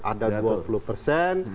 ada dua puluh persen